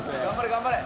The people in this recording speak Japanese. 頑張れ！